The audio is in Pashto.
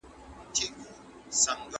حقیقي ملي عاید به په راتلونکي کي ډېر سي.